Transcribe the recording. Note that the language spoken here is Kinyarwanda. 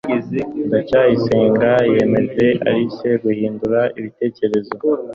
ndacyayisenga yemeje alice guhindura ibitekerezo